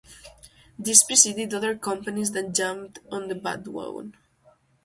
This preceded other companies that jumped on the bandwagon.